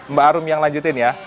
mbak arum yang lanjutin ya